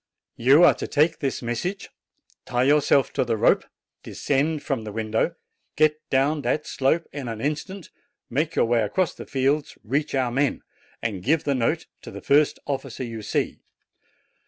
You are to take this message, tie yourself to the rope, descend from the window, get down that slope in an instant, make your way across the fields, reach our men, and give the note to the first officer you see.